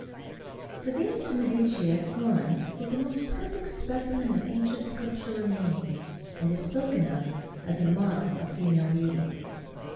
The Venus de Medici at Florence is the most perfect specimen of ancient sculpture remaining; and is spoken of as the Model of Female Beauty.